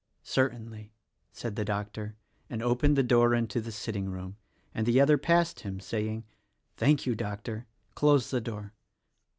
"Certainly," said the doctor, and opened the door into the sitting room, and the other passed him, saying, "Thank you, Doctor! close the door."